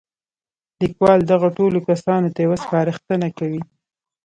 ليکوال دغو ټولو کسانو ته يوه سپارښتنه کوي.